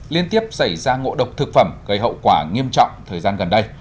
liên tiếp xảy ra ngộ độc thực phẩm gây hậu quả nghiêm trọng thời gian gần đây